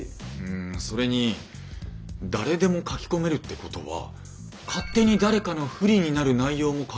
んそれに誰でも書き込めるってことは勝手に誰かの不利になる内容も書けるわけですよね？